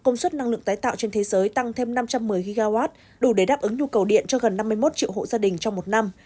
công suất năng lượng tái tạo trên thế giới tăng thêm năm trăm một mươi gigawatt đủ để đáp ứng nhu cầu điện cho gần năm mươi một triệu hộ gia đình trong một năm